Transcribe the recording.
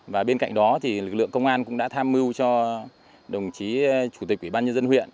và bên cạnh đó thì lực lượng công an cũng đã tham mưu cho đồng chí chủ tịch ủy ban nhân dân huyện